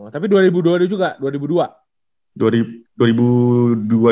tapi dua ribu dua dia juga dua ribu dua